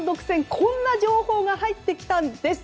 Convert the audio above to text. こんな情報が入ってきたんです。